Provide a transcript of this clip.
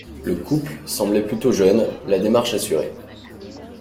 Le couple semblait plutôt jeune, la démarche assurée.